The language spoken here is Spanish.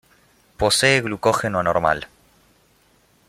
Posee glucógeno anormal.